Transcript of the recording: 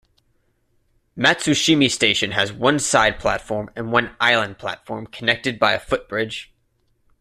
Matsushima Station has one side platform and one island platform connected by a footbridge.